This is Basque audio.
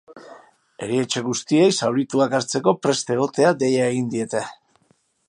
Erietxe guztiei zaurituak hartzeko prest egoteko deia egin diete.